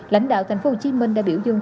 lãnh đạo tp hcm đã biểu dung